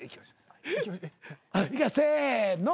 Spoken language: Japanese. せの。